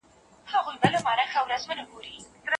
فشار ډلې تل د خپلو موخو لپاره هلې ځلې کولې.